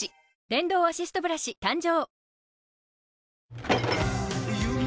電動アシストブラシ誕生